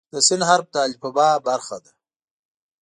د "س" حرف د الفبا برخه ده.